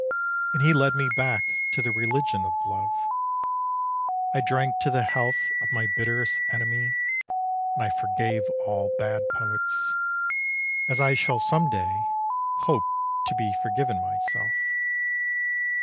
And he led me back to the religion of love: I drank to the health of my bitterest enemy, And I forgave all bad poets, As I shall some day hope to be forgiven myself.